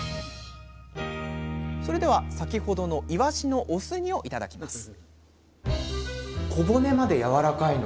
それでは先ほどのいわしのお酢煮をいただきます